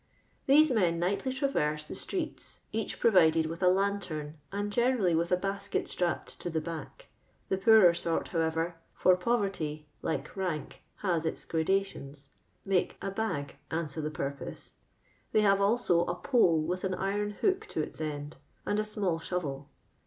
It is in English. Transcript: These men nightly traverse the streets, encli provided with a lantern, aiiJ generally with a basket strapped to the ba^k; the i»o(>rer sort, however — for poverty, liie rniik, hns its grndatious — mako a bag answer the i)urpose ; they have also a polo with an iron ho(.k to its end; and a small shovel.